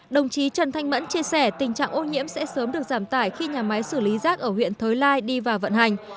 đồng chí trần thanh mẫn chia sẻ tình trạng ô nhiễm sẽ sớm được giảm tải khi nhà máy xử lý rác ở huyện thới lai đi vào vận hành